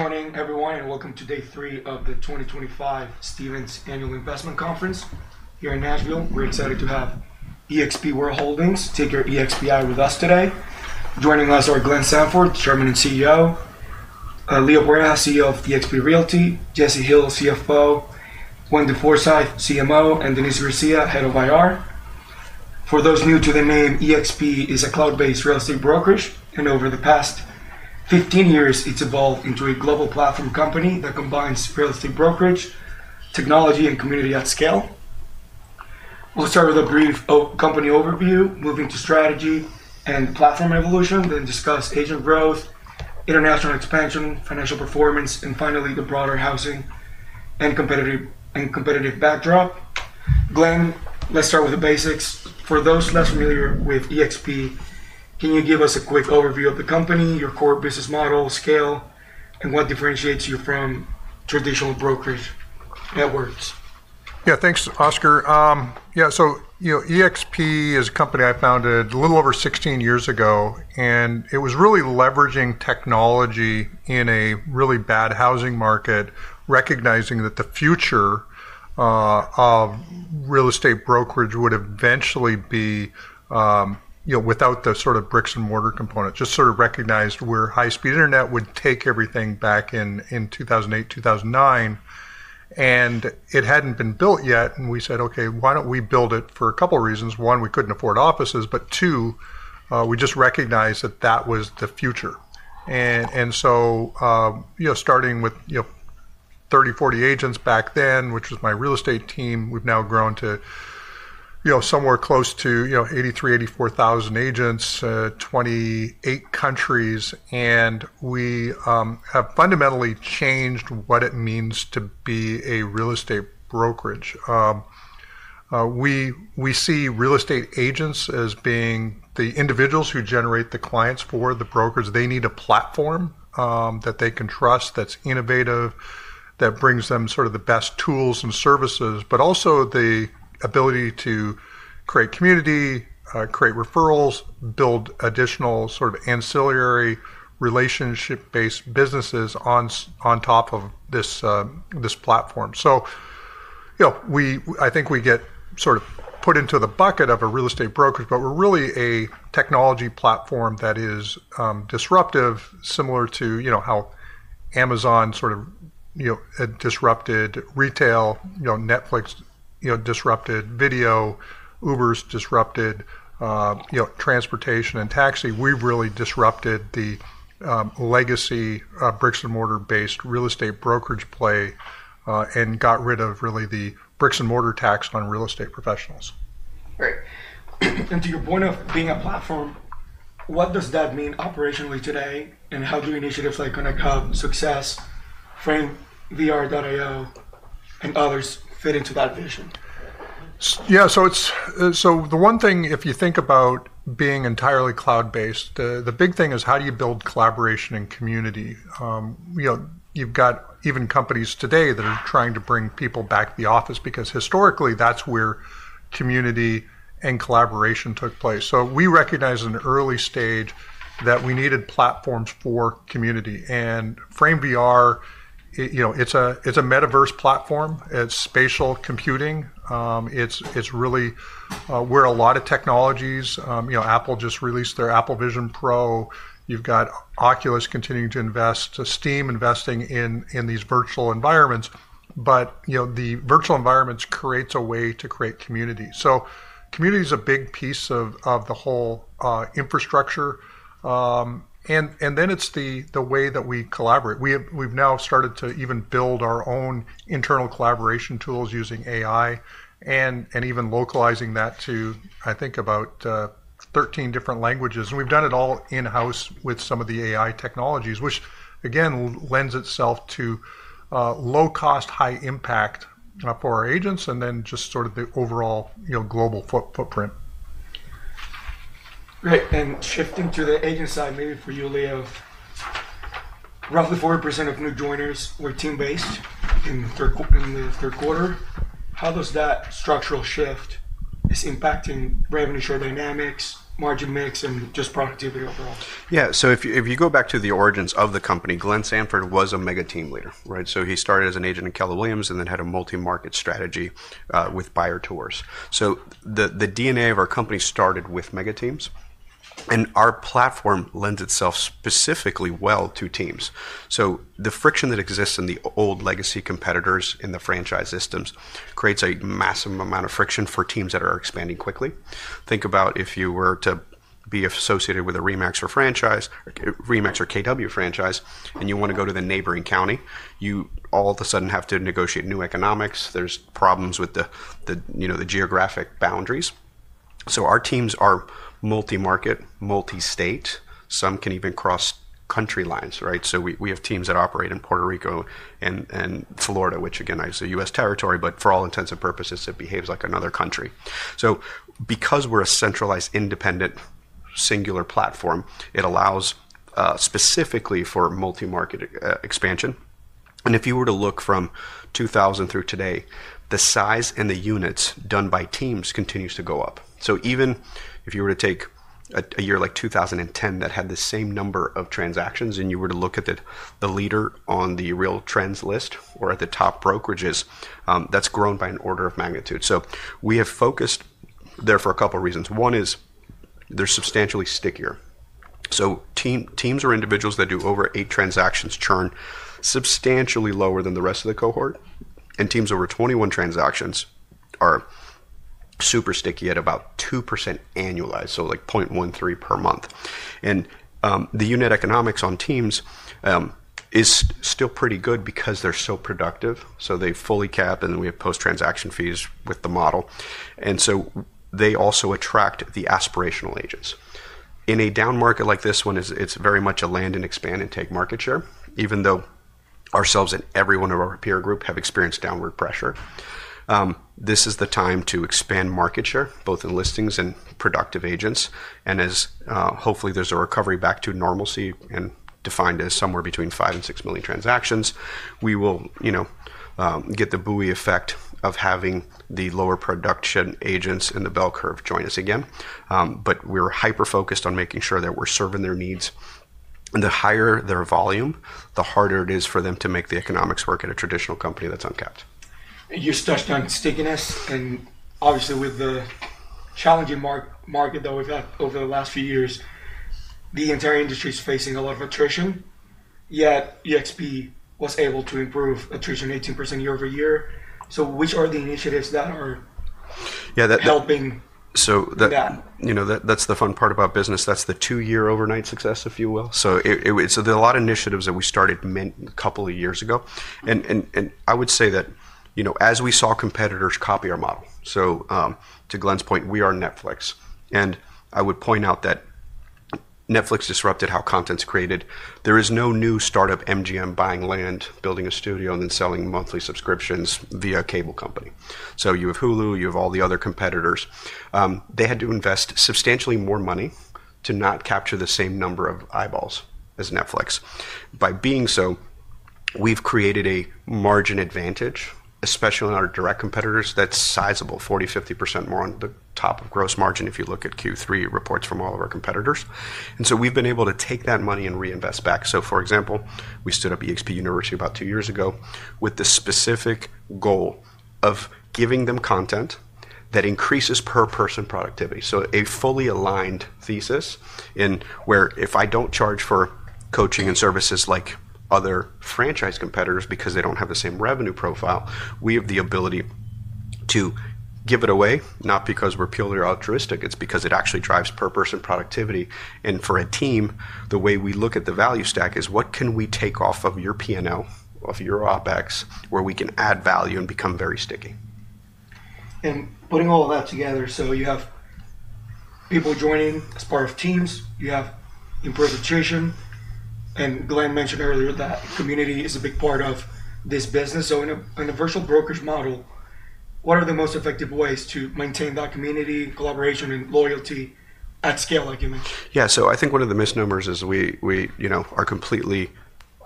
Good morning, everyone, and welcome to day three of the 2025 Stevens Annual Investment Conference here in Nashville. We're excited to have eXp World Holdings take our eXp with us today. Joining us are Glenn Sanford, Chairman and CEO; Leo Pareja, CEO of eXp Realty; Jesse Hill, CFO; Wendy Forsythe, CMO; and Denise Garcia, Head of IR. For those new to the name, eXp is a cloud-based real estate brokerage, and over the past 15 years, it's evolved into a global platform company that combines real estate brokerage, technology, and community at scale. We'll start with a brief company overview, moving to strategy and platform evolution, then discuss agent growth, international expansion, financial performance, and finally, the broader housing and competitive backdrop. Glenn, let's start with the basics. For those less familiar with eXp, can you give us a quick overview of the company, your core business model, scale, and what differentiates you from traditional brokerage networks? Yeah, thanks, Oscar. Yeah, so eXp is a company I founded a little over 16 years ago, and it was really leveraging technology in a really bad housing market, recognizing that the future of real estate brokerage would eventually be without the sort of bricks-and-mortar component, just sort of recognized where high-speed internet would take everything back in 2008, 2009. It hadn't been built yet, and we said, "Okay, why don't we build it?" For a couple of reasons. One, we couldn't afford offices, but two, we just recognized that that was the future. Starting with 30, 40 agents back then, which was my real estate team, we've now grown to somewhere close to 83,000-84,000 agents in 28 countries, and we have fundamentally changed what it means to be a real estate brokerage. We see real estate agents as being the individuals who generate the clients for the brokers. They need a platform that they can trust, that's innovative, that brings them sort of the best tools and services, but also the ability to create community, create referrals, build additional sort of ancillary relationship-based businesses on top of this platform. I think we get sort of put into the bucket of a real estate broker, but we're really a technology platform that is disruptive, similar to how Amazon sort of disrupted retail, Netflix disrupted video, Uber's disrupted transportation and taxi. We've really disrupted the legacy bricks-and-mortar-based real estate brokerage play and got rid of really the bricks-and-mortar tax on real estate professionals. Great. To your point of being a platform, what does that mean operationally today, and how do initiatives like ConnectHub, Success, FrameVR.io, and others fit into that vision? Yeah, so the one thing, if you think about being entirely cloud-based, the big thing is how do you build collaboration and community? You've got even companies today that are trying to bring people back to the office because historically, that's where community and collaboration took place. We recognized in an early stage that we needed platforms for community. FrameVR, it's a metaverse platform. It's spatial computing. It's really where a lot of technologies—Apple just released their Apple Vision Pro. You've got Oculus continuing to invest, Steam investing in these virtual environments. The virtual environments create a way to create community. Community is a big piece of the whole infrastructure. It's the way that we collaborate. We've now started to even build our own internal collaboration tools using AI and even localizing that to, I think, about 13 different languages. We have done it all in-house with some of the AI technologies, which, again, lends itself to low-cost, high-impact for our agents and then just sort of the overall global footprint. Great. Shifting to the agent side, maybe for you, Leo, roughly 40% of new joiners were team-based in the third quarter. How does that structural shift impact revenue share dynamics, margin mix, and just productivity overall? Yeah, so if you go back to the origins of the company, Glenn Sanford was a mega team leader, right? He started as an agent in Keller Williams and then had a multi-market strategy with Buyer Tours. The DNA of our company started with mega teams, and our platform lends itself specifically well to teams. The friction that exists in the old legacy competitors in the franchise systems creates a massive amount of friction for teams that are expanding quickly. Think about if you were to be associated with a RE/MAX or KW franchise, and you want to go to the neighboring county, you all of a sudden have to negotiate new economics. There are problems with the geographic boundaries. Our teams are multi-market, multi-state. Some can even cross country lines, right? We have teams that operate in Puerto Rico and Florida, which, again, is a U.S. territory, but for all intents and purposes, it behaves like another country. Because we're a centralized, independent, singular platform, it allows specifically for multi-market expansion. If you were to look from 2000 through today, the size and the units done by teams continue to go up. Even if you were to take a year like 2010 that had the same number of transactions and you were to look at the leader on the RealTrends list or at the top brokerages, that's grown by an order of magnitude. We have focused there for a couple of reasons. One is they're substantially stickier. Teams or individuals that do over eight transactions churn substantially lower than the rest of the cohort. Teams over 21 transactions are super sticky at about 2% annualized, so like 0.13 per month. The unit economics on teams is still pretty good because they're so productive. They fully cap, and then we have post-transaction fees with the model. They also attract the aspirational agents. In a down market like this one, it's very much a land and expand and take market share, even though ourselves and everyone of our peer group have experienced downward pressure. This is the time to expand market share, both in listings and productive agents. As hopefully there's a recovery back to normalcy and defined as somewhere between 5 million and 6 million transactions, we will get the buoy effect of having the lower production agents in the bell curve join us again. We're hyper-focused on making sure that we're serving their needs. The higher their volume, the harder it is for them to make the economics work at a traditional company that's uncapped. You've touched on stickiness. Obviously, with the challenging market that we've had over the last few years, the entire industry is facing a lot of attrition, yet eXp was able to improve attrition 18% year-over-year. Which are the initiatives that are helping? Yeah, so that's the fun part about business. That's the two-year overnight success, if you will. There are a lot of initiatives that we started a couple of years ago. I would say that as we saw competitors copy our model. To Glenn's point, we are Netflix. I would point out that Netflix disrupted how content's created. There is no new startup MGM buying land, building a studio, and then selling monthly subscriptions via cable company. You have Hulu, you have all the other competitors. They had to invest substantially more money to not capture the same number of eyeballs as Netflix. By being so, we've created a margin advantage, especially in our direct competitors. That's sizable, 40-50% more on the top of gross margin if you look at Q3 reports from all of our competitors. We have been able to take that money and reinvest back. For example, we stood up eXp University about two years ago with the specific goal of giving them content that increases per-person productivity. A fully aligned thesis in where if I do not charge for coaching and services like other franchise competitors because they do not have the same revenue profile, we have the ability to give it away, not because we are purely altruistic, it is because it actually drives per-person productivity. For a team, the way we look at the value stack is what can we take off of your P&L, of your OpEx, where we can add value and become very sticky. Putting all of that together, you have people joining as part of teams, you have improved attrition. Glenn mentioned earlier that community is a big part of this business. In a virtual brokerage model, what are the most effective ways to maintain that community, collaboration, and loyalty at scale, like you mentioned? Yeah, so I think one of the misnomers is we are completely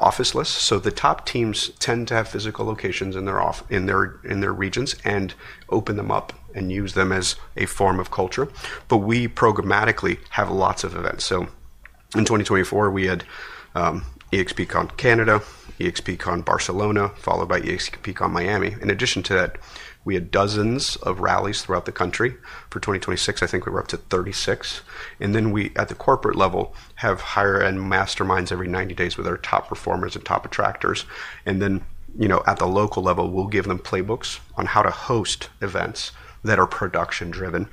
office-less. The top teams tend to have physical locations in their regions and open them up and use them as a form of culture. We programmatically have lots of events. In 2024, we had eXpCon Canada, eXpCon Barcelona, followed by eXpCon Miami. In addition to that, we had dozens of rallies throughout the country. For 2026, I think we were up to 36. We, at the corporate level, have hire and masterminds every 90 days with our top performers and top attractors. At the local level, we'll give them playbooks on how to host events that are production-driven.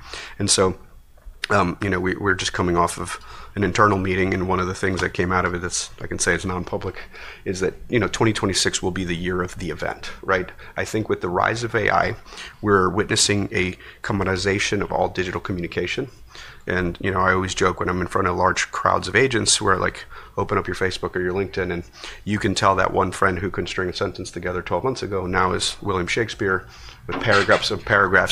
We're just coming off of an internal meeting, and one of the things that came out of it that I can say is non-public is that 2026 will be the year of the event, right? I think with the rise of AI, we're witnessing a commoditization of all digital communication. I always joke when I'm in front of large crowds of agents where I open up your Facebook or your LinkedIn, and you can tell that one friend who couldn't string a sentence together 12 months ago now is William Shakespeare with paragraphs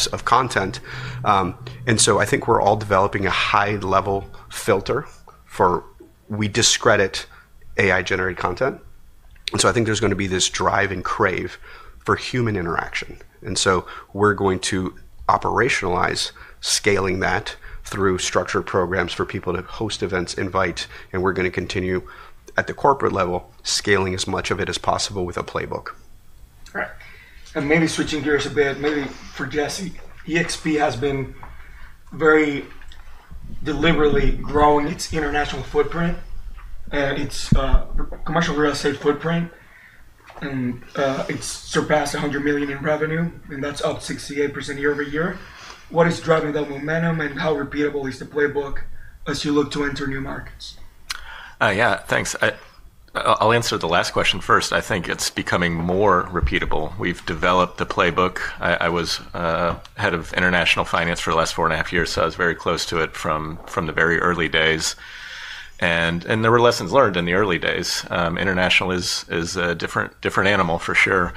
of content. I think we're all developing a high-level filter for we discredit AI-generated content. I think there's going to be this drive and crave for human interaction. We are going to operationalize scaling that through structured programs for people to host events, invite, and we are going to continue, at the corporate level, scaling as much of it as possible with a playbook. Correct. Maybe switching gears a bit, maybe for Jesse, eXp has been very deliberately growing its international footprint, its commercial real estate footprint, and it's surpassed $100 million in revenue, and that's up 68% year-over-year. What is driving that momentum, and how repeatable is the playbook as you look to enter new markets? Yeah, thanks. I'll answer the last question first. I think it's becoming more repeatable. We've developed the playbook. I was Head of International Finance for the last four and a half years, so I was very close to it from the very early days. There were lessons learned in the early days. International is a different animal, for sure.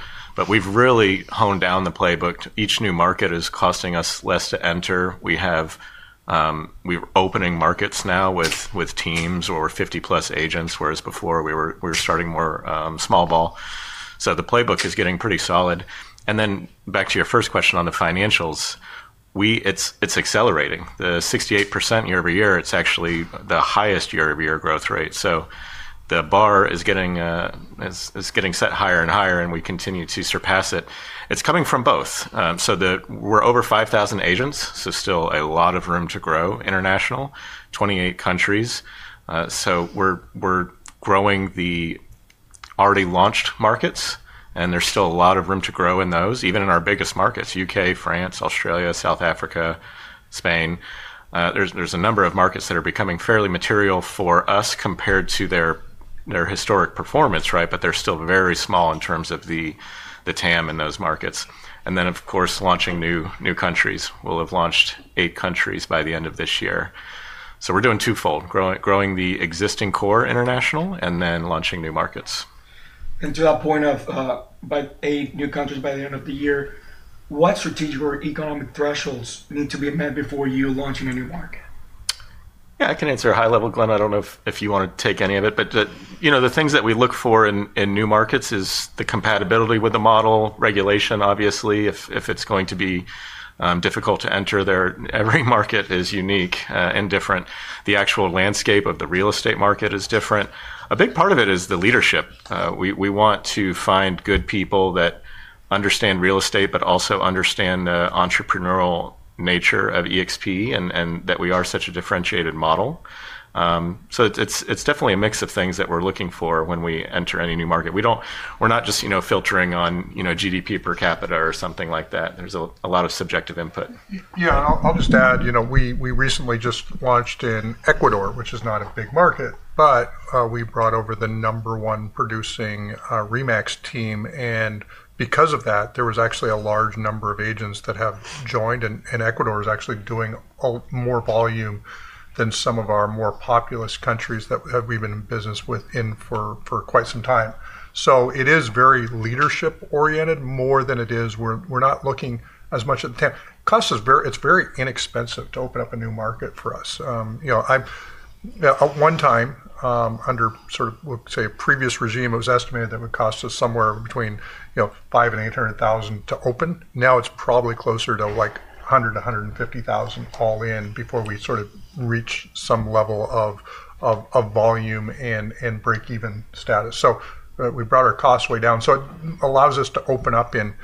We've really honed down the playbook. Each new market is costing us less to enter. We're opening markets now with teams or 50+ agents, whereas before we were starting more small-ball. The playbook is getting pretty solid. Back to your first question on the financials, it's accelerating. The 68% year-over-year, it's actually the highest year-over-year growth rate. The bar is getting set higher and higher, and we continue to surpass it. It's coming from both. We're over 5,000 agents, so still a lot of room to grow. International, 28 countries. We're growing the already launched markets, and there's still a lot of room to grow in those, even in our biggest markets, U.K., France, Australia, South Africa, Spain. There's a number of markets that are becoming fairly material for us compared to their historic performance, right? They're still very small in terms of the TAM in those markets. Of course, launching new countries. We'll have launched eight countries by the end of this year. We're doing twofold, growing the existing core international and then launching new markets. To that point of about eight new countries by the end of the year, what strategic or economic thresholds need to be met before you launch in a new market? Yeah, I can answer high level, Glenn. I don't know if you want to take any of it. The things that we look for in new markets is the compatibility with the model, regulation, obviously, if it's going to be difficult to enter. Every market is unique and different. The actual landscape of the real estate market is different. A big part of it is the leadership. We want to find good people that understand real estate, but also understand the entrepreneurial nature of eXp and that we are such a differentiated model. It's definitely a mix of things that we're looking for when we enter any new market. We're not just filtering on GDP per capita or something like that. There's a lot of subjective input. Yeah, and I'll just add, we recently just launched in Ecuador, which is not a big market, but we brought over the number one producing RE/MAX team. And because of that, there was actually a large number of agents that have joined. And Ecuador is actually doing more volume than some of our more populous countries that we've been in business with in for quite some time. It is very leadership-oriented more than it is we're not looking as much at the TAM. It's very inexpensive to open up a new market for us. At one time, under sort of, we'll say, a previous regime, it was estimated that it would cost us somewhere between $500,000 and $800,000 to open. Now it's probably closer to like $100,000-$150,000 all in before we sort of reach some level of volume and break-even status. We brought our costs way down. It allows us to open up in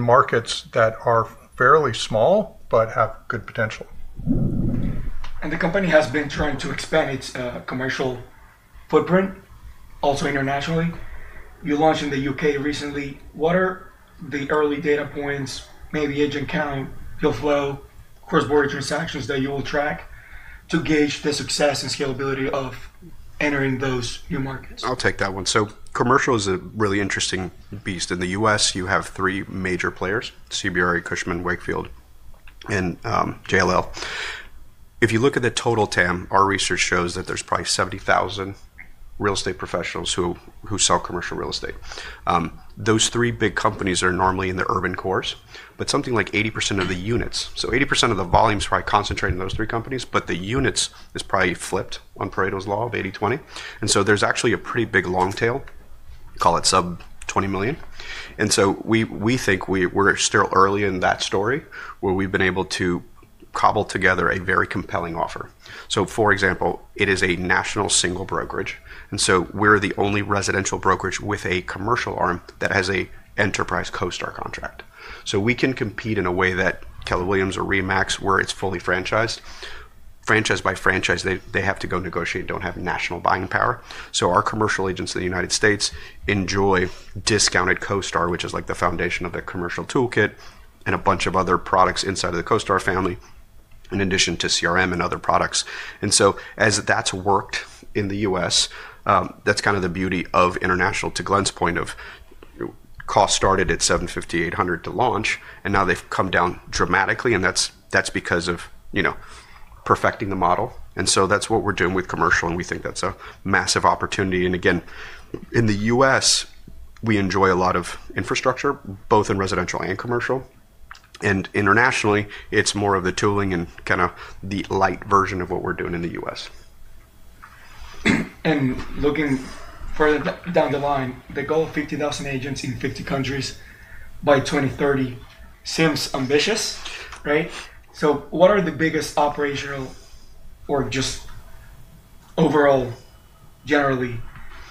markets that are fairly small but have good potential. The company has been trying to expand its commercial footprint also internationally. You launched in the U.K. recently. What are the early data points, maybe agent count, your flow, cross-border transactions that you will track to gauge the success and scalability of entering those new markets? I'll take that one. Commercial is a really interesting beast. In the U.S., you have three major players: CBRE, Cushman & Wakefield, and JLL. If you look at the total TAM, our research shows that there's probably 70,000 real estate professionals who sell commercial real estate. Those three big companies are normally in the urban cores, but something like 80% of the units. 80% of the volume is probably concentrated in those three companies, but the units is probably flipped on Pareto's law of 80/20. There's actually a pretty big long tail, call it sub-20 million. We think we're still early in that story where we've been able to cobble together a very compelling offer. For example, it is a national single brokerage. We're the only residential brokerage with a commercial arm that has an enterprise CoStar contract. We can compete in a way that Keller Williams or RE/MAX, where it's fully franchised. Franchise by franchise, they have to go negotiate and don't have national buying power. Our commercial agents in the U.S. enjoy discounted CoStar, which is like the foundation of the commercial toolkit and a bunch of other products inside of the CoStar family, in addition to CRM and other products. As that's worked in the U.S., that's kind of the beauty of international, to Glenn's point, of CoStar started at $750,800 to launch, and now they've come down dramatically. That's because of perfecting the model. That's what we're doing with commercial, and we think that's a massive opportunity. Again, in the U.S., we enjoy a lot of infrastructure, both in residential and commercial. Internationally, it's more of the tooling and kind of the light version of what we're doing in the U.S.. Looking further down the line, the goal of 50,000 agents in 50 countries by 2030 seems ambitious, right? What are the biggest operational or just overall, generally,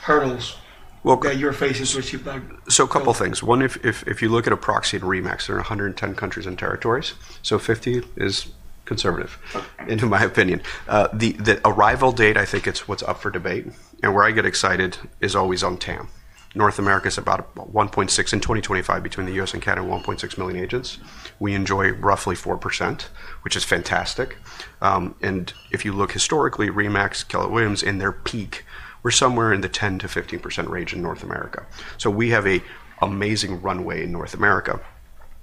hurdles that you're facing? A couple of things. One, if you look at a proxy in RE/MAX, there are 110 countries and territories, 50 is conservative, in my opinion. The arrival date, I think it's what's up for debate and where I get excited is always on TAM. North America is about 1.6 in 2025 between the U.S. and Canada, 1.6 million agents. We enjoy roughly 4%, which is fantastic. If you look historically, RE/MAX, Keller Williams in their peak, were somewhere in the 10%-15% range in North America. We have an amazing runway in North America.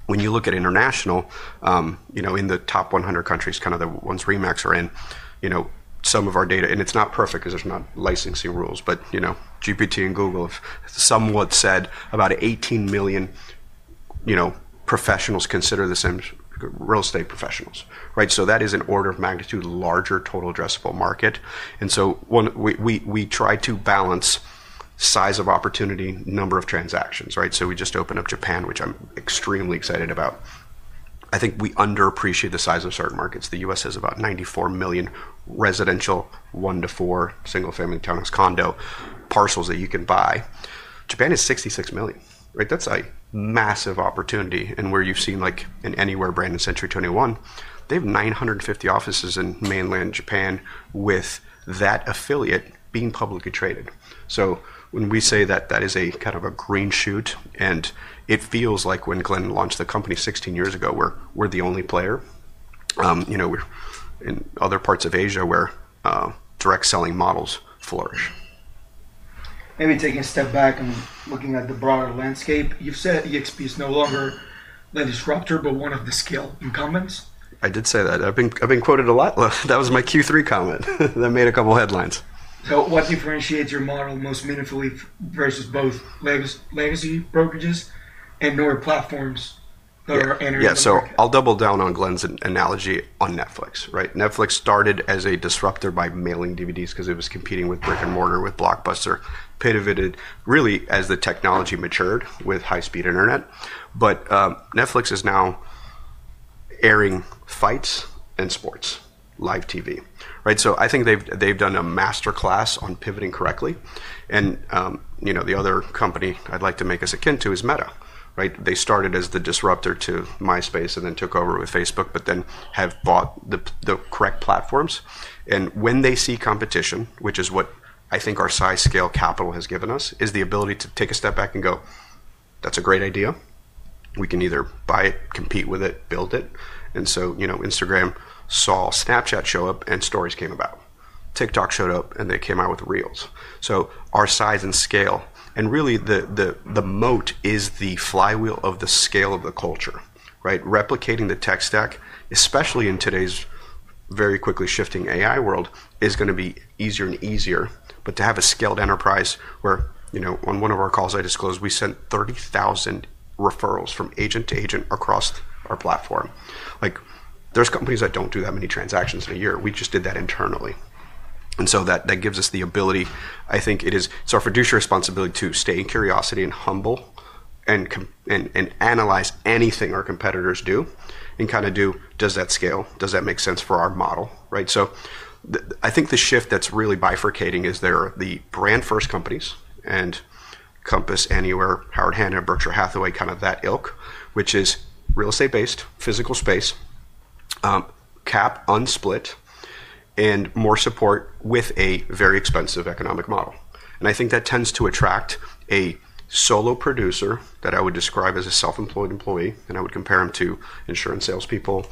When you look at international, in the top 100 countries, kind of the ones RE/MAX are in, some of our data, and it's not perfect because there's not licensing rules, but GPT and Google have somewhat said about 18 million professionals consider this real estate professionals, right? That is an order of magnitude larger total addressable market. We try to balance size of opportunity, number of transactions, right? We just opened up Japan, which I am extremely excited about. I think we underappreciate the size of certain markets. The U.S. has about 94 million residential 1-4 single-family townhouse condo parcels that you can buy. Japan is 66 million, right? That is a massive opportunity. Where you have seen like in Anywhere, brand and Century 21, they have 950 offices in mainland Japan with that affiliate being publicly traded. When we say that is a kind of a green shoot, it feels like when Glenn launched the company 16 years ago, we are the only player. In other parts of Asia, where direct selling models flourish. Maybe take a step back and looking at the broader landscape, you've said eXp is no longer the disruptor, but one of the scale incumbents. I did say that. I've been quoted a lot. That was my Q3 comment that made a couple of headlines. What differentiates your model most meaningfully versus both legacy brokerages and newer platforms that are entering? Yeah, so I'll double down on Glenn's analogy on Netflix, right? Netflix started as a disruptor by mailing DVDs because it was competing with brick and mortar, with Blockbuster, pivoted really as the technology matured with high-speed internet. Netflix is now airing fights and sports, live TV, right? I think they've done a masterclass on pivoting correctly. The other company I'd like to make as akin to is Meta, right? They started as the disruptor to MySpace and then took over with Facebook, but then have bought the correct platforms. When they see competition, which is what I think our size, scale, capital has given us, is the ability to take a step back and go, "That's a great idea. We can either buy it, compete with it, build it." Instagram saw Snapchat show up, and stories came about. TikTok showed up, and they came out with Reels. Our size and scale, and really the moat is the flywheel of the scale of the culture, right? Replicating the tech stack, especially in today's very quickly shifting AI world, is going to be easier and easier. To have a scaled enterprise where on one of our calls I disclosed, we sent 30,000 referrals from agent to agent across our platform. There are companies that do not do that many transactions in a year. We just did that internally. That gives us the ability, I think it is self-reduced responsibility to stay in curiosity and humble and analyze anything our competitors do and kind of do, "Does that scale? Does that make sense for our model?" Right? I think the shift that's really bifurcating is there are the brand-first companies and Compass, Anywhere, Howard Hanna, Berkshire Hathaway, kind of that ilk, which is real estate-based, physical space, cap unsplit, and more support with a very expensive economic model. I think that tends to attract a solo producer that I would describe as a self-employed employee, and I would compare him to insurance salespeople,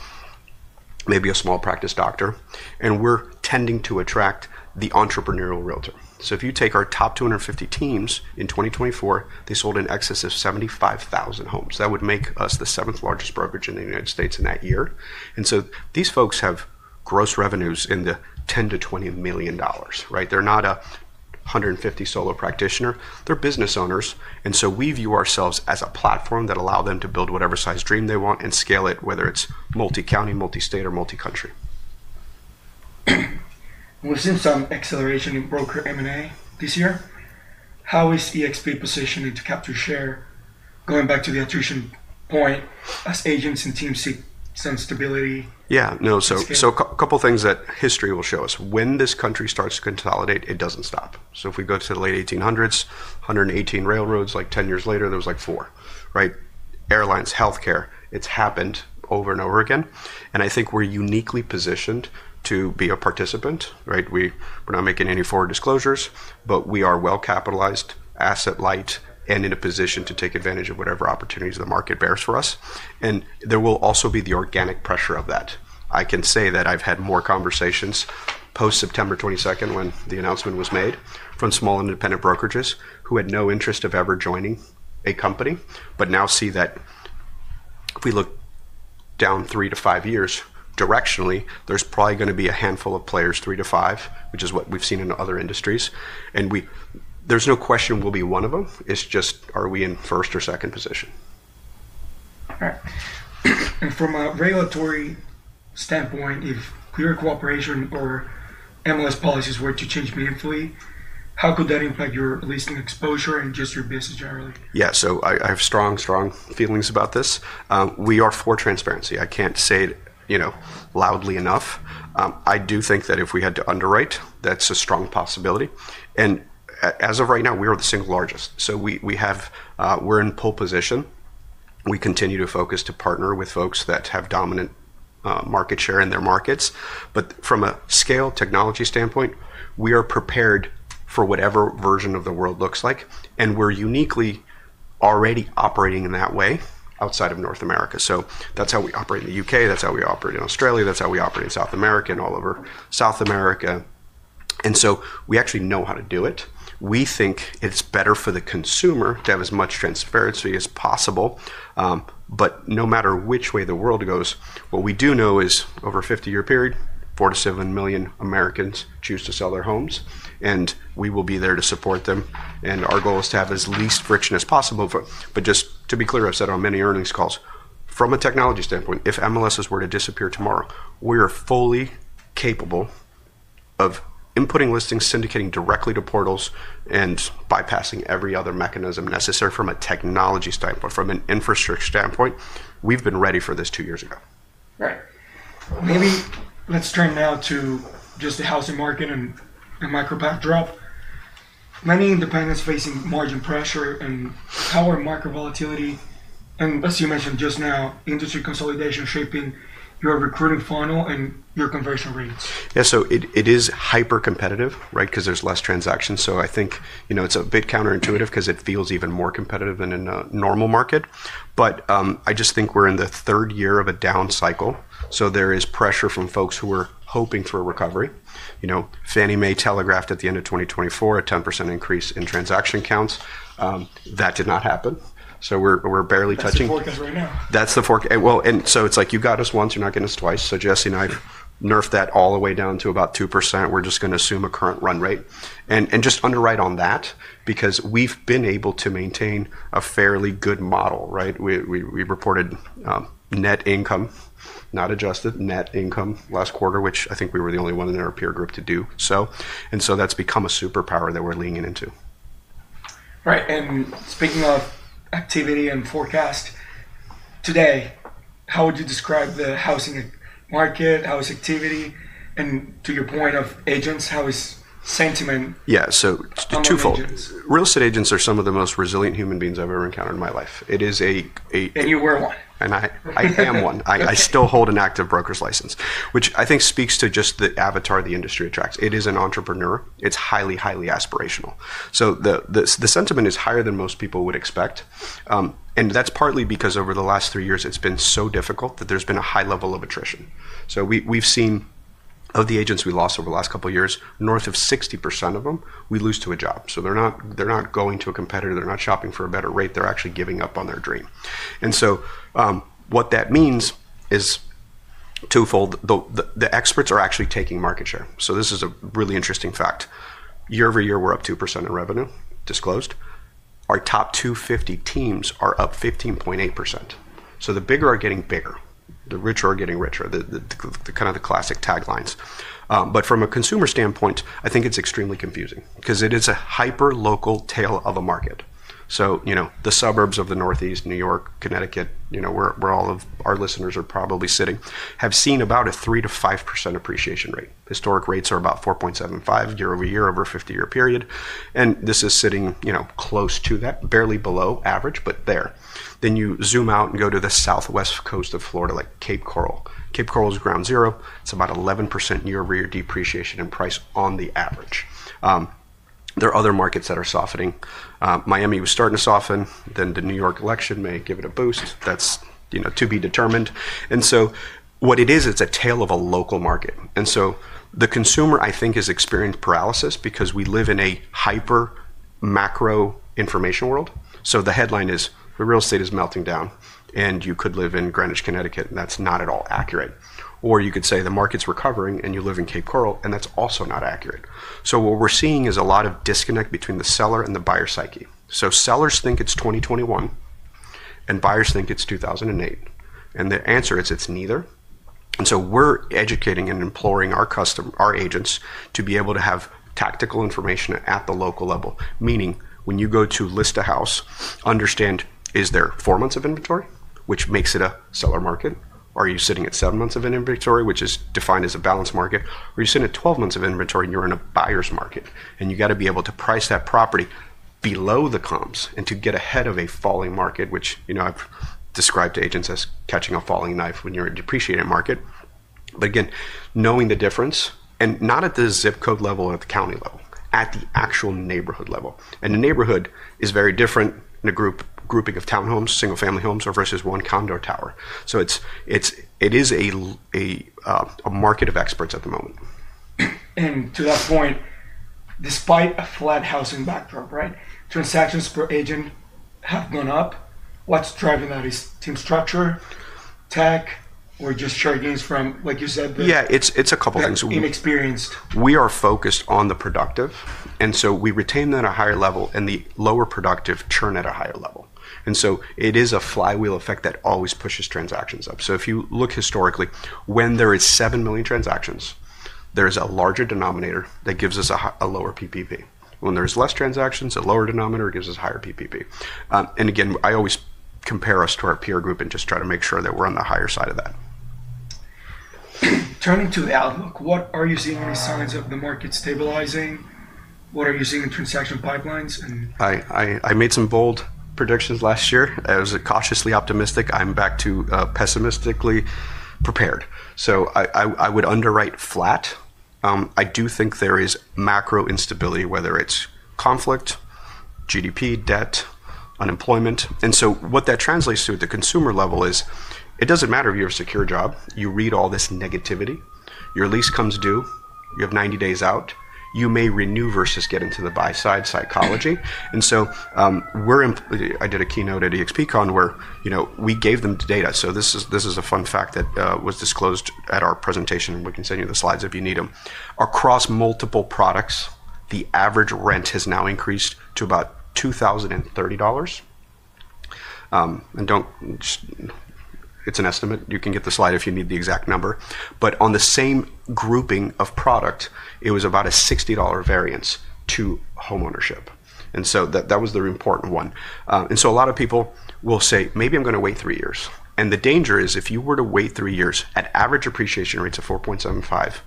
maybe a small practice doctor. We're tending to attract the entrepreneurial realtor. If you take our top 250 teams in 2024, they sold in excess of 75,000 homes. That would make us the seventh largest brokerage in the United States in that year. These folks have gross revenues in the $10 million-$20 million, right? They're not a $150 solo practitioner. They're business owners. We view ourselves as a platform that allows them to build whatever size dream they want and scale it, whether it's multi-county, multi-state, or multi-country. We've seen some acceleration in broker M&A this year. How is eXp positioned to capture share going back to the attrition point as agents and teams seek some stability? Yeah, no. A couple of things that history will show us. When this country starts to consolidate, it doesn't stop. If we go to the late 1800s, 118 railroads, like 10 years later, there was like four, right? Airlines, healthcare, it's happened over and over again. I think we're uniquely positioned to be a participant, right? We're not making any forward disclosures, but we are well-capitalized, asset-light, and in a position to take advantage of whatever opportunities the market bears for us. There will also be the organic pressure of that. I can say that I've had more conversations post-September 22nd when the announcement was made from small independent brokerages who had no interest of ever joining a company, but now see that if we look down 3 years-5 years directionally, there's probably going to be a handful of players, 3-5, which is what we've seen in other industries. There's no question we'll be one of them. It's just, are we in first or second position? All right. From a regulatory standpoint, if clear cooperation or MLS policies were to change meaningfully, how could that impact your listing exposure and just your business generally? Yeah, so I have strong, strong feelings about this. We are for transparency. I can't say it loudly enough. I do think that if we had to underwrite, that's a strong possibility. As of right now, we are the single largest. We are in pole position. We continue to focus to partner with folks that have dominant market share in their markets. From a scale technology standpoint, we are prepared for whatever version of the world looks like. We are uniquely already operating in that way outside of North America. That is how we operate in the U.K. That is how we operate in Australia. That is how we operate in South America and all over South America. We actually know how to do it. We think it's better for the consumer to have as much transparency as possible. No matter which way the world goes, what we do know is over a 50-year period, 4 million-7 million Americans choose to sell their homes. We will be there to support them. Our goal is to have as least friction as possible. Just to be clear, I've said on many earnings calls, from a technology standpoint, if MLSs were to disappear tomorrow, we are fully capable of inputting listings, syndicating directly to portals, and bypassing every other mechanism necessary from a technology standpoint, from an infrastructure standpoint. We've been ready for this two years ago. Right. Maybe let's turn now to just the housing market and micro backdrop. Many independents facing margin pressure and power market volatility. As you mentioned just now, industry consolidation shaping your recruiting funnel and your conversion rates. Yeah, so it is hyper-competitive, right? Because there's less transactions. I think it's a bit counterintuitive because it feels even more competitive than in a normal market. I just think we're in the third year of a down cycle. There is pressure from folks who are hoping for a recovery. Fannie Mae telegraphed at the end of 2024 a 10% increase in transaction counts. That did not happen. We're barely touching. That's the forecast. That's the forecast. You got us once, you're not getting us twice. Jesse and I nerfed that all the way down to about 2%. We're just going to assume a current run rate and just underwrite on that because we've been able to maintain a fairly good model, right? We reported net income, not adjusted, net income last quarter, which I think we were the only one in our peer group to do so. That's become a superpower that we're leaning into. Right. Speaking of activity and forecast today, how would you describe the housing market, housing activity, and to your point of agents, how is sentiment? Yeah, so twofold. Real estate agents are some of the most resilient human beings I've ever encountered in my life. It is a... You were one. I am one. I still hold an active broker's license, which I think speaks to just the avatar the industry attracts. It is an entrepreneur. It's highly, highly aspirational. The sentiment is higher than most people would expect. That is partly because over the last three years, it's been so difficult that there's been a high level of attrition. We have seen of the agents we lost over the last couple of years, north of 60% of them, we lose to a job. They are not going to a competitor. They are not shopping for a better rate. They are actually giving up on their dream. What that means is twofold. The experts are actually taking market share. This is a really interesting fact. Year-over-year, we are up 2% in revenue disclosed. Our top 250 teams are up 15.8%. The bigger are getting bigger. The richer are getting richer, kind of the classic taglines. From a consumer standpoint, I think it's extremely confusing because it is a hyper-local tale of a market. The suburbs of the Northeast, New York, Connecticut, where all of our listeners are probably sitting, have seen about a 3-5% appreciation rate. Historic rates are about 4.75% year-over-year over a 50-year period. This is sitting close to that, barely below average, but there. You zoom out and go to the southwest coast of Florida, like Cape Coral. Cape Coral is ground zero. It's about 11% year-over-year depreciation in price on the average. There are other markets that are softening. Miami was starting to soften. The New York election may give it a boost. That is to be determined. What it is, it's a tale of a local market. The consumer, I think, is experiencing paralysis because we live in a hyper-macro information world. The headline is, "The real estate is melting down," and you could live in Greenwich, Connecticut, and that's not at all accurate. You could say, "The market's recovering," and you live in Cape Coral, and that's also not accurate. What we're seeing is a lot of disconnect between the seller and the buyer psyche. Sellers think it's 2021, and buyers think it's 2008. The answer is it's neither. We're educating and imploring our agents to be able to have tactical information at the local level. Meaning when you go to list a house, understand, is there four months of inventory, which makes it a seller market? Are you sitting at seven months of inventory, which is defined as a balanced market? Are you sitting at 12 months of inventory and you're in a buyer's market? You got to be able to price that property below the comps to get ahead of a falling market, which I've described to agents as catching a falling knife when you're in a depreciated market. Again, knowing the difference, and not at the zip code level or at the county level, at the actual neighborhood level. The neighborhood is very different in a grouping of townhomes, single-family homes versus one condo tower. It is a market of experts at the moment. To that point, despite a flat housing backdrop, right? Transactions per agent have gone up. What's driving that is team structure, tech, or just share gains from, like you said, the... Yeah, it's a couple of things. Inexperienced. We are focused on the productive. And so we retain them at a higher level and the lower productive churn at a higher level. It is a flywheel effect that always pushes transactions up. If you look historically, when there are 7 million transactions, there is a larger denominator that gives us a lower PPP. When there are less transactions, a lower denominator gives us a higher PPP. Again, I always compare us to our peer group and just try to make sure that we're on the higher side of that. Turning to outlook, what are you seeing in the signs of the market stabilizing? What are you seeing in transaction pipelines? I made some bold predictions last year. I was cautiously optimistic. I'm back to pessimistically prepared. I would underwrite flat. I do think there is macro instability, whether it's conflict, GDP, debt, unemployment. What that translates to at the consumer level is it doesn't matter if you have a secure job. You read all this negativity. Your lease comes due. You have 90 days out. You may renew versus get into the buy-side psychology. I did a keynote at EXPCon where we gave them data. This is a fun fact that was disclosed at our presentation. We can send you the slides if you need them. Across multiple products, the average rent has now increased to about $2,030. It's an estimate. You can get the slide if you need the exact number. On the same grouping of product, it was about a $60 variance to homeownership. That was the important one. A lot of people will say, "Maybe I'm going to wait three years." The danger is if you were to wait three years at average appreciation rates of 4.75%,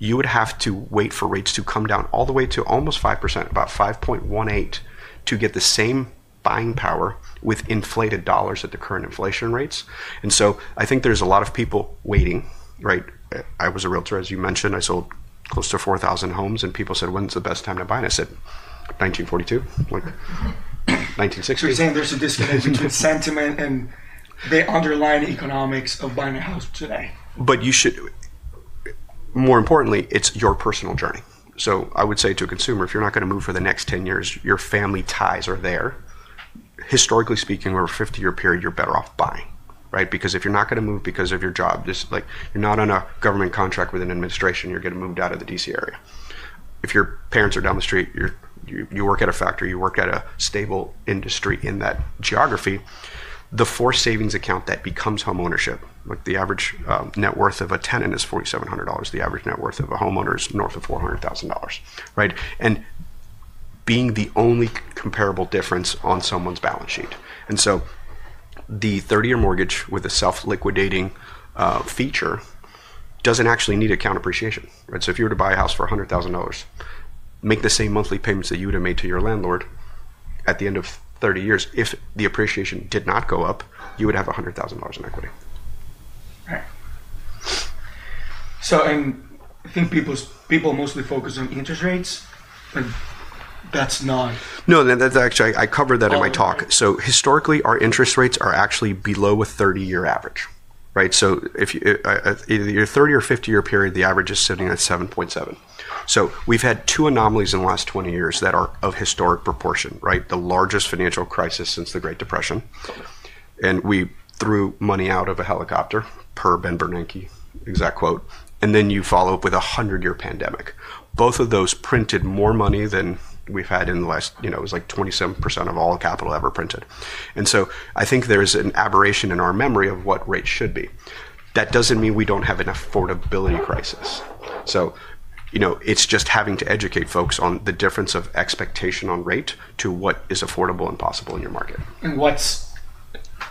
you would have to wait for rates to come down all the way to almost 5%, about 5.18%, to get the same buying power with inflated dollars at the current inflation rates. I think there's a lot of people waiting, right? I was a realtor, as you mentioned. I sold close to 4,000 homes. People said, "When's the best time to buy?" I said, "1942, 1960. You're saying there's a disconnect between sentiment and the underlying economics of buying a house today? More importantly, it's your personal journey. I would say to a consumer, if you're not going to move for the next 10 years, your family ties are there. Historically speaking, over a 50-year period, you're better off buying, right? If you're not going to move because of your job, you're not on a government contract with an administration, you're getting moved out of the DC area. If your parents are down the street, you work at a factory, you work at a stable industry in that geography, the forced savings account that becomes homeownership, like the average net worth of a tenant is $4,700. The average net worth of a homeowner is north of $400,000, right? Being the only comparable difference on someone's balance sheet. The 30-year mortgage with a self-liquidating feature doesn't actually need account appreciation, right? If you were to buy a house for $100,000, make the same monthly payments that you would have made to your landlord, at the end of 30 years, if the appreciation did not go up, you would have $100,000 in equity. Right. I think people mostly focus on interest rates, but that's not. No, that's actually I covered that in my talk. Historically, our interest rates are actually below a 30-year average, right? Your 30-year or 50-year period, the average is sitting at 7.7. We've had two anomalies in the last 20 years that are of historic proportion, right? The largest financial crisis since the Great Depression. We threw money out of a helicopter, per Ben Bernanke exact quote. You follow up with a 100-year pandemic. Both of those printed more money than we've had in the last, it was like 27% of all capital ever printed. I think there's an aberration in our memory of what rates should be. That doesn't mean we don't have an affordability crisis. It's just having to educate folks on the difference of expectation on rate to what is affordable and possible in your market.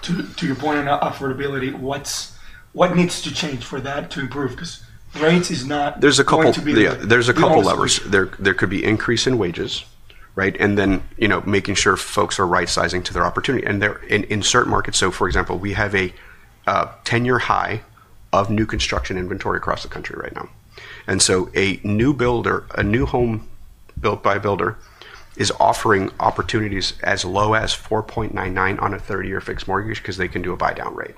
To your point on affordability, what needs to change for that to improve? Because rates is not going to be. There's a couple levers. There could be increase in wages, right? And then making sure folks are right-sizing to their opportunity. In certain markets, for example, we have a 10-year high of new construction inventory across the country right now. A new home built by a builder is offering opportunities as low as 4.99% on a 30-year fixed mortgage because they can do a buy-down rate.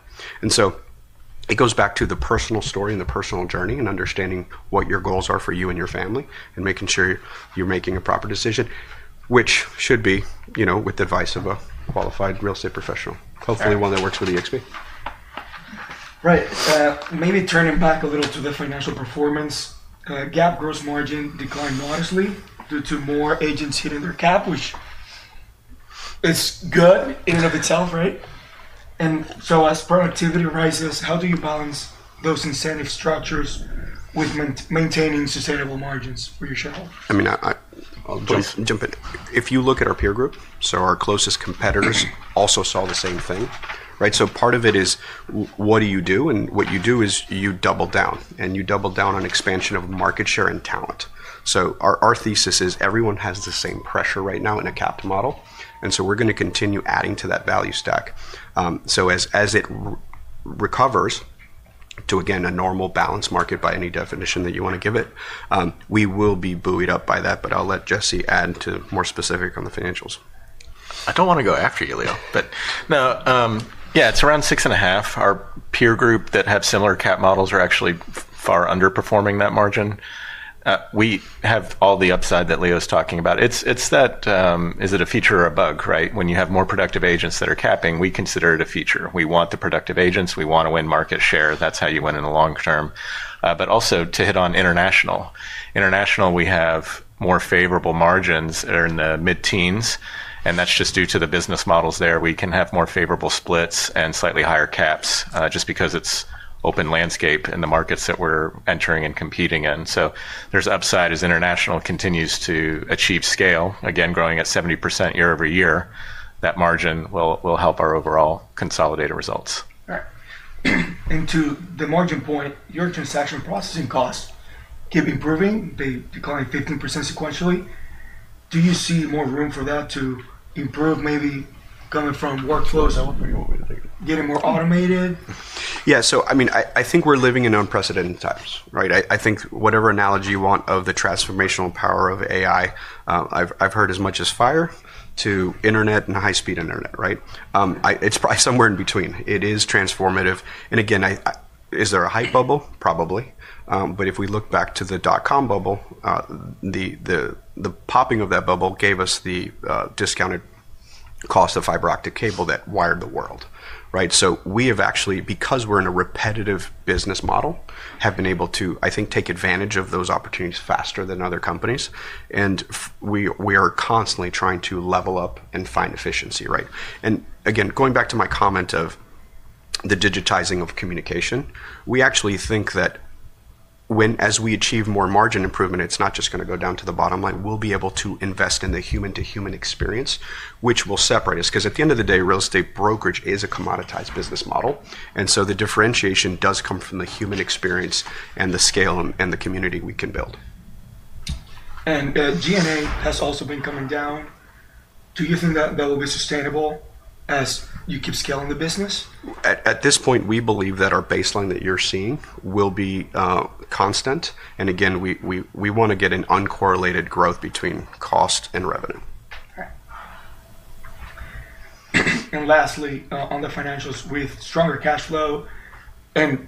It goes back to the personal story and the personal journey and understanding what your goals are for you and your family and making sure you're making a proper decision, which should be with the advice of a qualified real estate professional, hopefully one that works with eXp. Right. Maybe turning back a little to the financial performance. GAAP gross margin declined modestly due to more agents hitting their cap, which is good in and of itself, right? As productivity rises, how do you balance those incentive structures with maintaining sustainable margins for your shareholders? I mean, I'll jump in. If you look at our peer group, our closest competitors also saw the same thing, right? Part of it is what do you do? What you do is you double down. You double down on expansion of market share and talent. Our thesis is everyone has the same pressure right now in a capped model. We are going to continue adding to that value stack. As it recovers to, again, a normal balanced market by any definition that you want to give it, we will be buoyed up by that. I'll let Jesse add to more specific on the financials. I don't want to go after you, Leo, but. No, yeah, it's around six and a half. Our peer group that have similar cap models are actually far underperforming that margin. We have all the upside that Leo is talking about. It's that, is it a feature or a bug, right? When you have more productive agents that are capping, we consider it a feature. We want the productive agents. We want to win market share. That's how you win in the long term. Also, to hit on international. International, we have more favorable margins in the mid-teens. That's just due to the business models there. We can have more favorable splits and slightly higher caps just because it's open landscape in the markets that we're entering and competing in. There's upside as international continues to achieve scale, again, growing at 70% year-over-year. That margin will help our overall consolidated results. Right. To the margin point, your transaction processing costs keep improving, declining 15% sequentially. Do you see more room for that to improve maybe coming from workflows? I won't put you over there. Getting more automated? Yeah. I mean, I think we're living in unprecedented times, right? I think whatever analogy you want of the transformational power of AI, I've heard as much as fire to internet and high-speed internet, right? It's probably somewhere in between. It is transformative. Again, is there a hype bubble? Probably. If we look back to the dot-com bubble, the popping of that bubble gave us the discounted cost of fiber optic cable that wired the world, right? We have actually, because we're in a repetitive business model, been able to, I think, take advantage of those opportunities faster than other companies. We are constantly trying to level up and find efficiency, right? Again, going back to my comment of the digitizing of communication, we actually think that as we achieve more margin improvement, it's not just going to go down to the bottom line. We'll be able to invest in the human-to-human experience, which will separate us. Because at the end of the day, real estate brokerage is a commoditized business model. The differentiation does come from the human experience and the scale and the community we can build. G&A has also been coming down. Do you think that that will be sustainable as you keep scaling the business? At this point, we believe that our baseline that you're seeing will be constant. Again, we want to get an uncorrelated growth between cost and revenue. Right. Lastly, on the financials with stronger cash flow and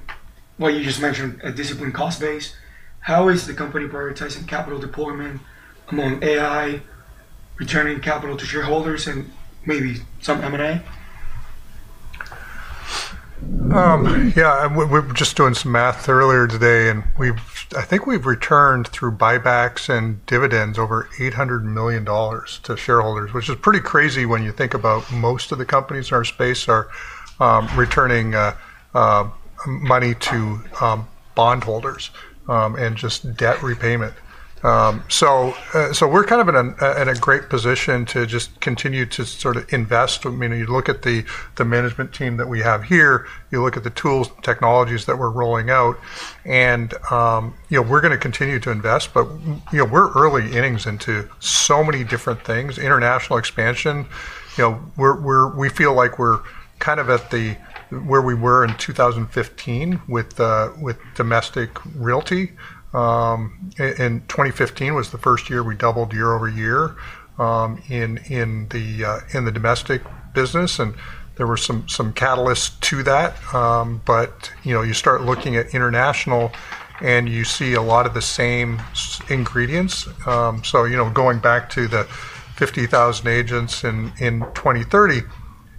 what you just mentioned, a disciplined cost base, how is the company prioritizing capital deployment among AI, returning capital to shareholders, and maybe some M&A? Yeah. We were just doing some math earlier today, and I think we've returned through buybacks and dividends over $800 million to shareholders, which is pretty crazy when you think about most of the companies in our space are returning money to bondholders and just debt repayment. We are kind of in a great position to just continue to sort of invest. I mean, you look at the management team that we have here, you look at the tools and technologies that we're rolling out, and we're going to continue to invest, but we're early innings into so many different things. International expansion, we feel like we're kind of at where we were in 2015 with domestic realty. And 2015 was the first year we doubled year-over-year in the domestic business. There were some catalysts to that. You start looking at international and you see a lot of the same ingredients. Going back to the 50,000 agents in 2030,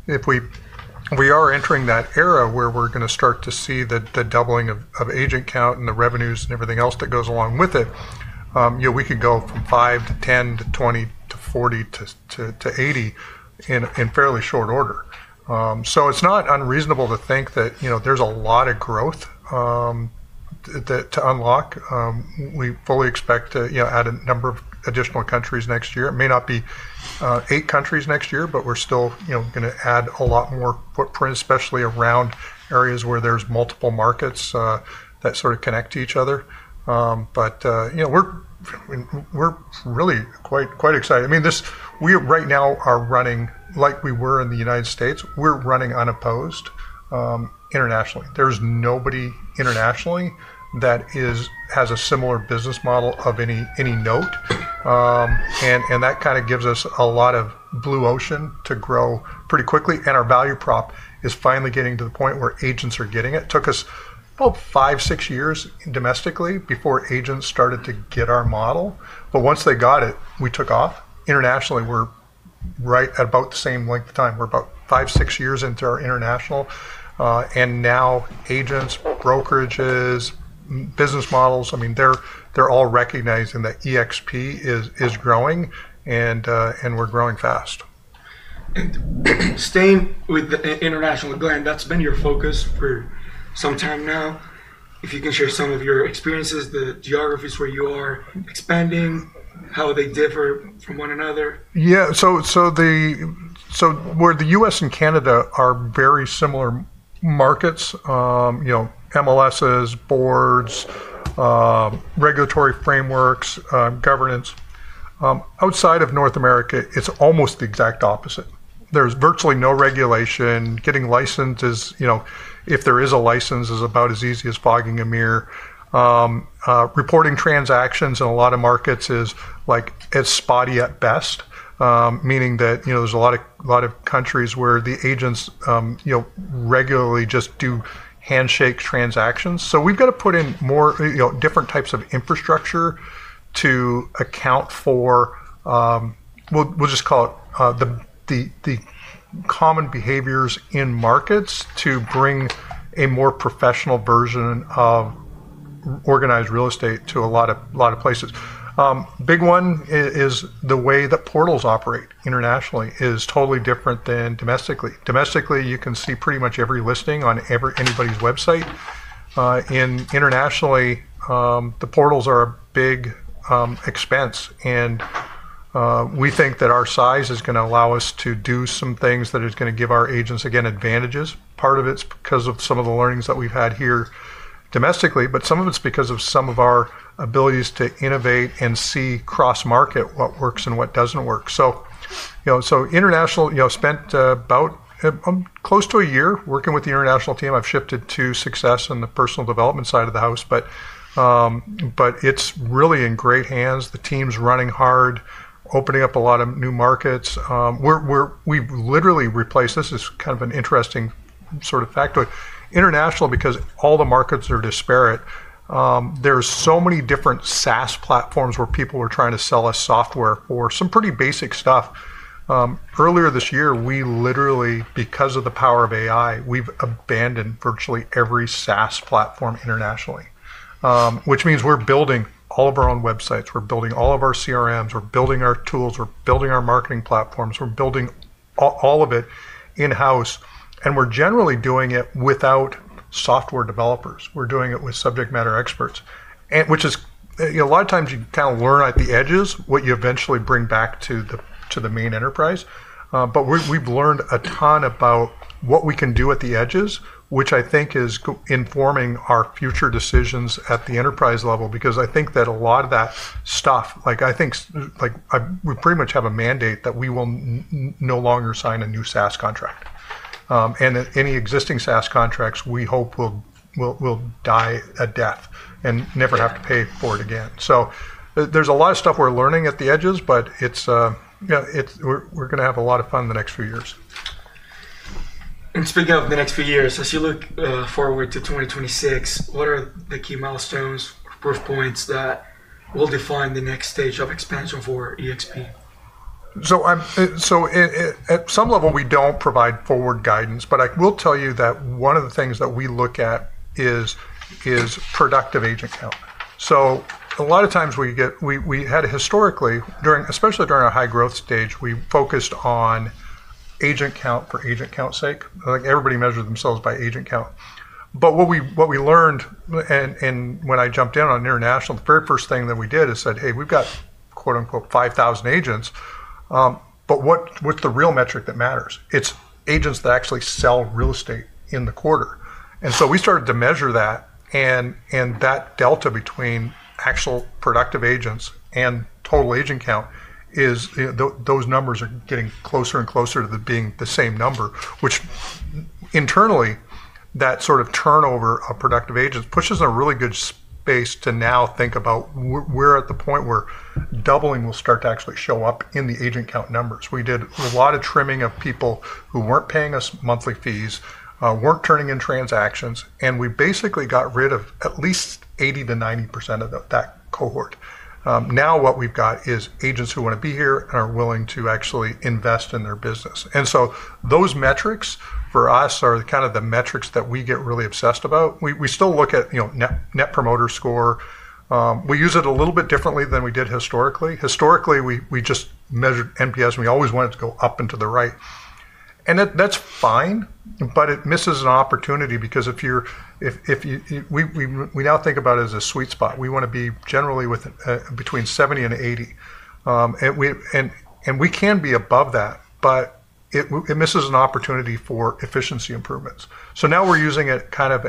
if we are entering that era where we're going to start to see the doubling of agent count and the revenues and everything else that goes along with it, we could go from 5 to 10 to 20 to 40 to 80 in fairly short order. It is not unreasonable to think that there's a lot of growth to unlock. We fully expect to add a number of additional countries next year. It may not be eight countries next year, but we're still going to add a lot more footprint, especially around areas where there's multiple markets that sort of connect to each other. We're really quite excited. I mean, we right now are running like we were in the United States. We're running unopposed internationally. There's nobody internationally that has a similar business model of any note. That kind of gives us a lot of blue ocean to grow pretty quickly. Our value prop is finally getting to the point where agents are getting it. It took us about five, six years domestically before agents started to get our model. Once they got it, we took off. Internationally, we're right at about the same length of time. We're about five, six years into our international. Now agents, brokerages, business models, I mean, they're all recognizing that eXp is growing and we're growing fast. Staying with the international, Glenn, that's been your focus for some time now. If you can share some of your experiences, the geographies where you are expanding, how they differ from one another. Yeah. Where the U.S. and Canada are very similar markets, MLSs, boards, regulatory frameworks, governance, outside of North America, it's almost the exact opposite. There's virtually no regulation. Getting licenses, if there is a license, is about as easy as fogging a mirror. Reporting transactions in a lot of markets is spotty at best, meaning that there's a lot of countries where the agents regularly just do handshake transactions. We've got to put in more different types of infrastructure to account for, we'll just call it the common behaviors in markets to bring a more professional version of organized real estate to a lot of places. A big one is the way that portals operate internationally is totally different than domestically. Domestically, you can see pretty much every listing on anybody's website. Internationally, the portals are a big expense. We think that our size is going to allow us to do some things that is going to give our agents, again, advantages. Part of it is because of some of the learnings that we've had here domestically, but some of it is because of some of our abilities to innovate and see cross-market what works and what does not work. International, I spent about close to a year working with the international team. I have shifted to Success on the personal development side of the house, but it is really in great hands. The team is running hard, opening up a lot of new markets. We have literally replaced, this is kind of an interesting sort of factoid, international because all the markets are disparate. There are so many different SaaS platforms where people were trying to sell us software for some pretty basic stuff. Earlier this year, we literally, because of the power of AI, we've abandoned virtually every SaaS platform internationally, which means we're building all of our own websites. We're building all of our CRMs. We're building our tools. We're building our marketing platforms. We're building all of it in-house. We're generally doing it without software developers. We're doing it with subject matter experts, which is a lot of times you kind of learn at the edges what you eventually bring back to the main enterprise. We've learned a ton about what we can do at the edges, which I think is informing our future decisions at the enterprise level because I think that a lot of that stuff, I think we pretty much have a mandate that we will no longer sign a new SaaS contract. Any existing SaaS contracts, we hope will die a death and never have to pay for it again. There is a lot of stuff we are learning at the edges, but we are going to have a lot of fun the next few years. Speaking of the next few years, as you look forward to 2026, what are the key milestones or proof points that will define the next stage of expansion for eXp? At some level, we do not provide forward guidance, but I will tell you that one of the things that we look at is productive agent count. A lot of times we had historically, especially during our high growth stage, we focused on agent count for agent count's sake. Everybody measured themselves by agent count. What we learned when I jumped in on international, the very first thing that we did is said, "Hey, we have "5,000 agents", but what is the real metric that matters?" It is agents that actually sell real estate in the quarter. We started to measure that. That delta between actual productive agents and total agent count, those numbers are getting closer and closer to being the same number, which internally, that sort of turnover of productive agents pushes in a really good space to now think about we're at the point where doubling will start to actually show up in the agent count numbers. We did a lot of trimming of people who weren't paying us monthly fees, weren't turning in transactions, and we basically got rid of at least 80%-90% of that cohort. Now what we've got is agents who want to be here and are willing to actually invest in their business. Those metrics for us are kind of the metrics that we get really obsessed about. We still look at net promoter score. We use it a little bit differently than we did historically. Historically, we just measured NPS, and we always wanted to go up and to the right. That's fine, but it misses an opportunity because if you're we now think about it as a sweet spot. We want to be generally between 70 and 80. We can be above that, but it misses an opportunity for efficiency improvements. Now we're using it kind of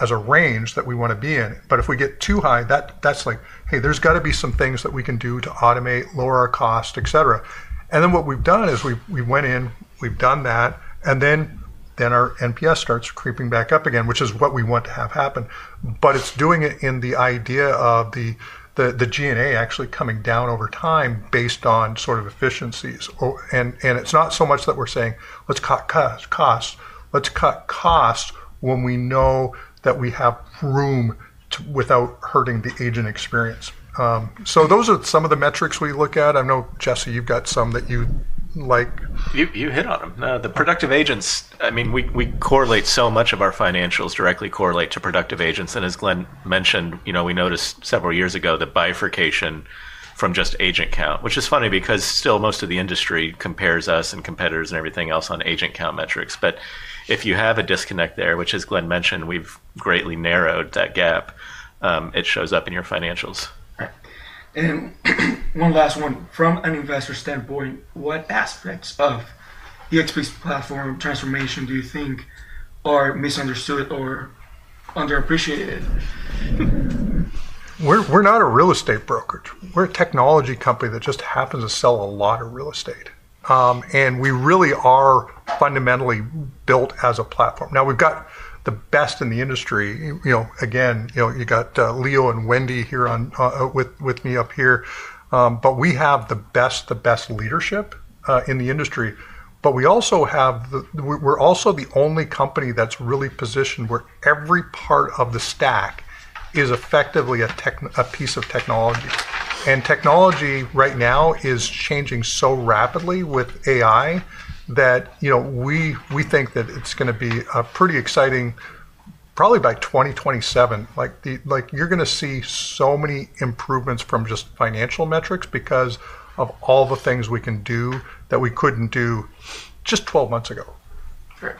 as a range that we want to be in. If we get too high, that's like, "Hey, there's got to be some things that we can do to automate, lower our cost, etc." What we've done is we went in, we've done that, and then our NPS starts creeping back up again, which is what we want to have happen. It's doing it in the idea of the G&A actually coming down over time based on sort of efficiencies. It is not so much that we are saying, "Let's cut costs. Let's cut costs when we know that we have room without hurting the agent experience." Those are some of the metrics we look at. I know, Jesse, you have some that you like. You hit on them. The productive agents, I mean, we correlate so much of our financials directly correlate to productive agents. As Glenn mentioned, we noticed several years ago the bifurcation from just agent count, which is funny because still most of the industry compares us and competitors and everything else on agent count metrics. If you have a disconnect there, which as Glenn mentioned, we've greatly narrowed that gap, it shows up in your financials. One last one. From an investor standpoint, what aspects of eXp's platform transformation do you think are misunderstood or underappreciated? We're not a real estate brokerage. We're a technology company that just happens to sell a lot of real estate. We really are fundamentally built as a platform. Now we've got the best in the industry. You got Leo and Wendy here with me up here. We have the best, the best leadership in the industry. We're also the only company that's really positioned where every part of the stack is effectively a piece of technology. Technology right now is changing so rapidly with AI that we think that it's going to be pretty exciting probably by 2027. You're going to see so many improvements from just financial metrics because of all the things we can do that we couldn't do just 12 months ago. All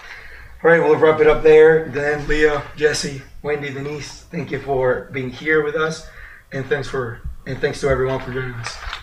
right. We'll wrap it up there. Glenn, Leo, Jesse, Wendy, Denise, thank you for being here with us. Thanks to everyone for joining us.